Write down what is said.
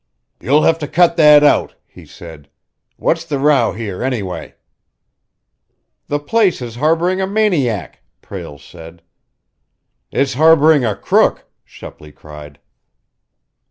"You'll have to cut that out!" he said. "What's the row here, anyway?" "The place is harboring a maniac!" Prale said. "It's harboring a crook!" Shepley cried.